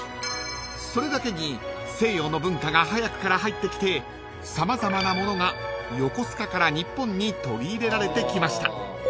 ［それだけに西洋の文化が早くから入ってきて様々なものが横須賀から日本に取り入れられてきました］